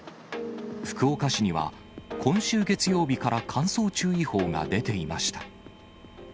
福岡市には、今週月曜日から乾燥注意報が出ていました。